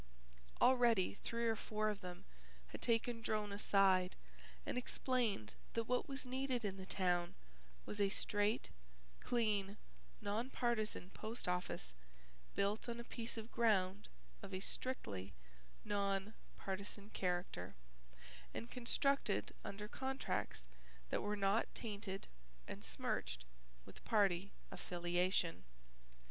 Already three or four of them had taken Drone aside and explained that what was needed in the town was a straight, clean, non partisan post office, built on a piece of ground of a strictly non partisan character, and constructed under contracts that were not tainted and smirched with party affiliation.